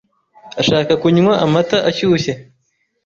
Ashaka kunywa amata ashyushye.